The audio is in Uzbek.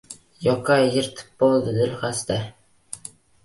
Yoqa yirtib boʼldi dilxasta.